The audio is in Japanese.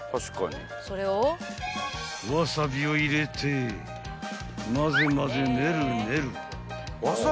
［わさびを入れてまぜまぜねるねる］